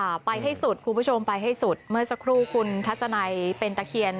ไปให้สุดคุณผู้ชมไปให้สุดเมื่อสักครู่คุณทัศนัยเป็นตะเคียน